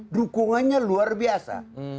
dukungannya luar biasa